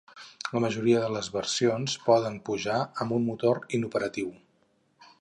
La majoria de les versions poden pujar amb un motor inoperatiu.